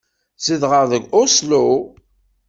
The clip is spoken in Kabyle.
Zedɣeɣ deg Oslo.